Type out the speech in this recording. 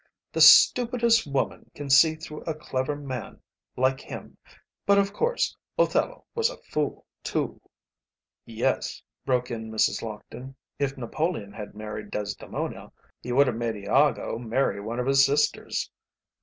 The stupidest woman can see through a clever man like him; but, of course, Othello was a fool too." "Yes," broke in Mrs. Lockton, "if Napoleon had married Desdemona he would have made Iago marry one of his sisters."